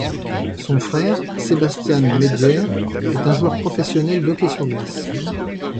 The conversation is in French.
Son frère, Sebastian Meijer, est un joueur professionnel d'hockey sur glace.